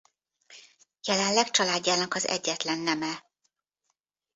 Jelenleg családjának az egyetlen neme.